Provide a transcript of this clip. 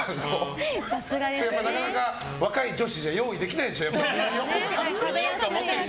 若い女子じゃ用意できないでしょ。